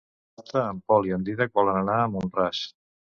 Dissabte en Pol i en Dídac volen anar a Mont-ras.